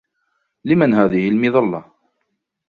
لمن هذه المظلة ؟